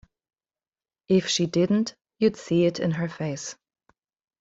If she didn't, you'd see it in her face.